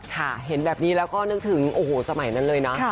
เห็นแบบนี้แล้วก็นึกถึงโอ้โหสมัยนั้นเลยนะ